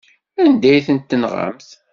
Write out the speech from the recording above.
Anda ay tent-tenɣamt?